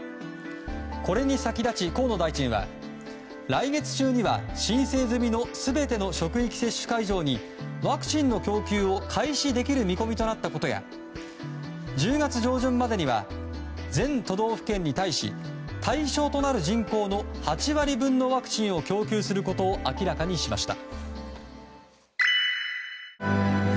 これに先立ち、河野大臣は来月中には申請済みの全ての職域接種会場にワクチンの供給を開始できる見込みとなったことや１０月上旬までには全都道府県に対し対象となる人口の８割分のワクチンを供給することを明らかにしました。